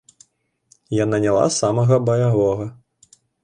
Я наняла самага баявога.